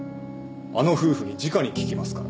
あの夫婦にじかに聞きますから。